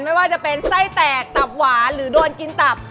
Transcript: ไม่ว่าจะเป็นไส้แตกตับหวานหรือโดนกินตับ